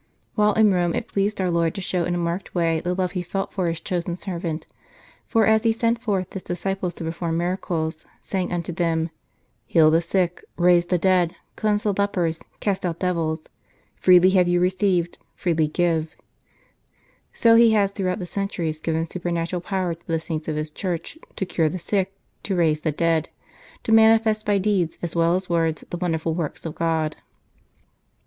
While in Rome it pleased our Lord to show in a marked way the love He felt for His chosen servant ; for as He sent forth His disciples to perform miracles, saying unto them, " Heal the sick, raise the dead, cleanse the lepers, cast out devils : freely have you received, freely give," so He has throughout the centuries given super natural power to the saints of His Church to cure the sick, to raise the dead, to manifest by deeds as well as words the wonderful works of God.